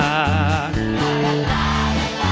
ลาลาลาลาลาลาลาลา